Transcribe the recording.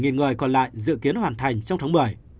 nghìn người còn lại dự kiến hoàn thành trong tháng một mươi